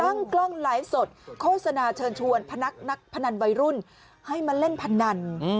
กล้องไลฟ์สดโฆษณาเชิญชวนพนักพนันวัยรุ่นให้มาเล่นพนัน